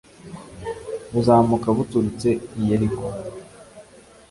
buzamuka buturutse i yeriko